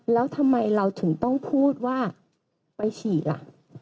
แล้วทำไมเราถึงต้องพูดว่าไปฉีดล่ะ